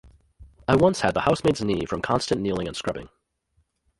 I once had the housemaid's knee from constant kneeling and scrubbing.